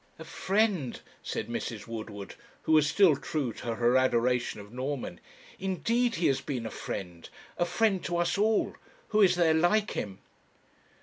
'A friend!' said Mrs. Woodward, who was still true to her adoration of Norman. 'Indeed he has been a friend a friend to us all. Who is there like him?'